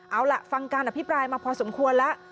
เอาล่ะฟังการอภิปรายมาพอสมควรแล้ว